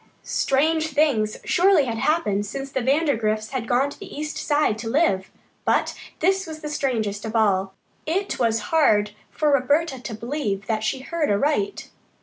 Strange things surely had happened since the Vandergrifts had gone to the East Side to live, but this was the strangest of all. It was hard for Roberta to believe that she heard aright.